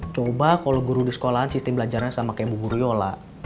coba kalo guru di sekolahan sistem belajarnya sama kayak ibu guru yola